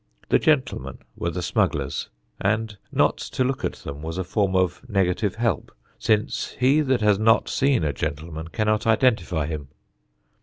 The gentlemen were the smugglers, and not to look at them was a form of negative help, since he that has not seen a gentleman cannot identify him.